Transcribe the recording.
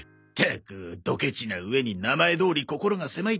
ったくドケチな上に名前どおり心が狭いときてる。